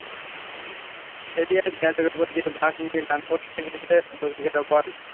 Severe দেয়ালের ওপর দিয়ে বাঁক নিয়ে ডান পোস্ট ঘেঁষে ঢুকে গেল বল।